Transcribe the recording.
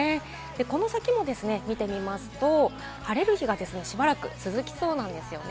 この先も見てみますと、晴れる日がしばらく続きそうなんですよね。